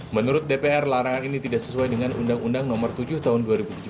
menurut dpr larangan ini tidak sesuai dengan undang undang nomor tujuh tahun dua ribu tujuh belas